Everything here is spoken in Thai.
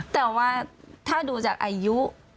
แต่ว่าถ้าดูจากอายุ